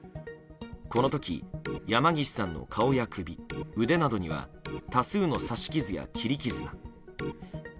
この時、山岸さんの顔や首腕などには多数の刺し傷や切り傷が。